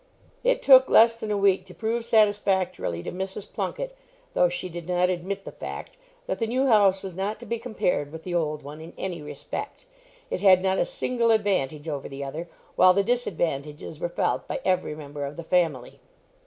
It took less than a week to prove satisfactorily to Mrs. Plunket, though she did not admit the fact, that the new house was not to be compared with the old one in any respect. It had not a single advantage over the other, while the disadvantages were felt by every member of the family.